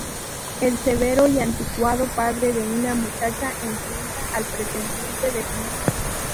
El severo y anticuado padre de una muchacha enfrenta al pretendiente de su hija.